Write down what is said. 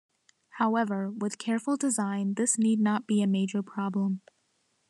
However, with careful design, this need not be a major problem.